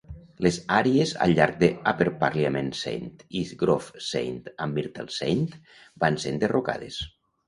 Les àrees al llarg de Upper Parliament Saint i Grove Saint and Myrtle Saint van ser enderrocades.